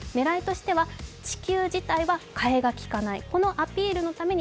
狙いとしては、地球はかえがきかない。